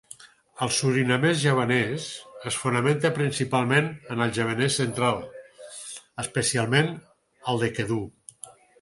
El surinamès javanès es fonamenta principalment en el javanès central, especialment el de Kedu.